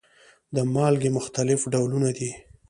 د مالګې مختلف ډولونه دي.